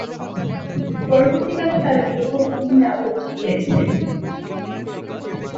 পরবর্তীকালে তাঁরা বিবাহ বন্ধনে আবদ্ধ হয়েছিলেন।